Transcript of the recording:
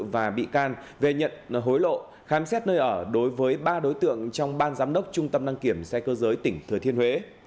và bị can về nhận hối lộ khám xét nơi ở đối với ba đối tượng trong ban giám đốc trung tâm đăng kiểm xe cơ giới tỉnh thừa thiên huế